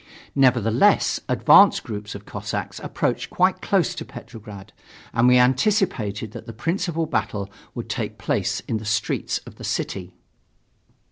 Nevertheless, advanced groups of Cossacks approached quite close to Petrograd, and we anticipated that the principal battle would take place in the streets of the city.